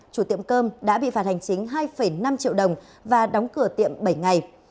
chủ tiệm cơm đã bị phạt hành chính hai năm triệu đồng và đóng cửa tiệm bảy ngày